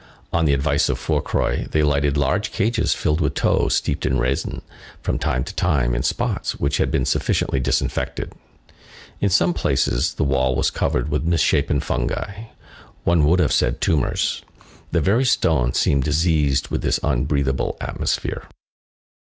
On the advice of Fourcroy, they lighted large cages filled with tow steeped in resin, from time to time, in spots which had been sufficiently disinfected. In some places, the wall was covered with misshapen fungi,—one would have said tumors; the very stone seemed diseased within this unbreathable atmosphere.